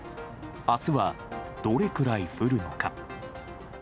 あすは、どれくらい降るのか。